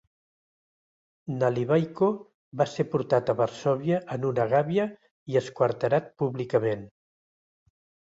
Nalivaiko va ser portat a Varsòvia en una gàbia i esquarterat públicament.